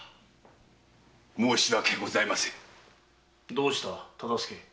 どうした忠相？